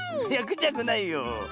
いやくちゃくないよ。